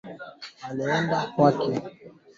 kukoroga mchanganyiko wa keki